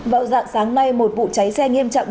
vào dạng sáng nay một vụ cháy xe nghiêm trọng